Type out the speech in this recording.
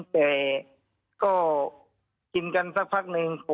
แต่ก็กินกันสักพักหนึ่ง